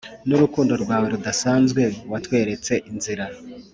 n'urukundo rwawe rudasanzwe watweretse inzira,